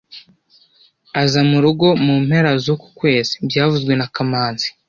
Aza murugo mu mpera zuku kwezi byavuzwe na kamanzi